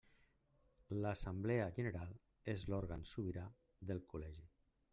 L'Assemblea General és l'òrgan sobirà del Col·legi.